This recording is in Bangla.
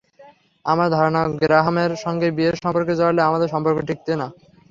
আমার ধারণা, গ্রাহামের সঙ্গে বিয়ের সম্পর্কে জড়ালে আমাদের সম্পর্ক টিকত না।